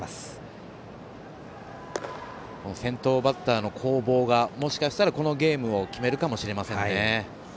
先頭バッターの攻防がもしかしたらこのゲームを決めるかもしれませんね。